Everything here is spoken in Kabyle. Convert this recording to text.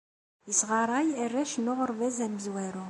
Yesɣaṛay arrac n uɣerbaz amezwaru